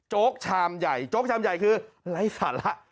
ชามใหญ่โจ๊กชามใหญ่คือไร้สาระ